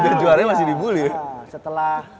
udah juaranya masih di bully